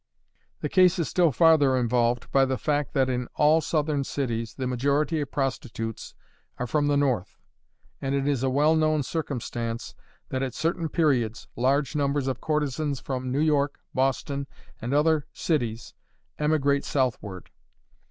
The case is still farther involved by the fact that in all southern cities the majority of prostitutes are from the north; and it is a well known circumstance, that at certain periods large numbers of courtesans from New York, Boston, and other cities emigrate southward.